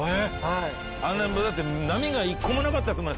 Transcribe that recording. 波が１個もなかったですもんね